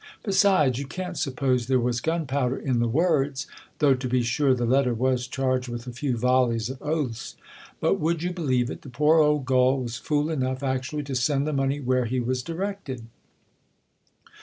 Besides, you can't suppose there was gunpowder in the words ; though, to be sure, the letter was charged with a few vollies of oaths^ . But, would you believe it ! the poor old gull was fool enough actually to send the money where he was directed.